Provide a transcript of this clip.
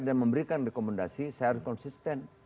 dan memberikan rekomendasi saya harus konsisten